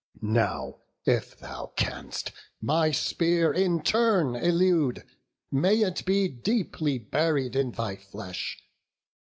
Now, if thou canst, my spear in turn elude; May it be deeply buried in thy flesh!